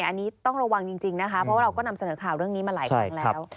อันนี้ต้องระวังจริงนะคะเพราะว่าเราก็นำเสนอข่าวเรื่องนี้มาหลายครั้งแล้ว